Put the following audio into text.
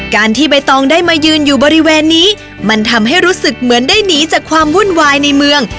ที่ใบตองได้มายืนอยู่บริเวณนี้มันทำให้รู้สึกเหมือนได้หนีจากความวุ่นวายในเมือง